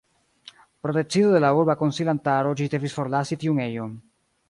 Pro decido de la urba konsilantaro ĝi devis forlasi tiun ejon.